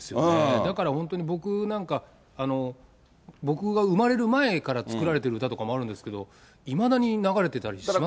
だから本当に僕なんか、僕が生まれる前から作られている歌とかもあるんですけど、いまだに流れてたりしますからね。